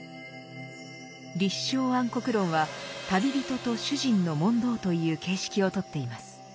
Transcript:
「立正安国論」は旅人と主人の問答という形式をとっています。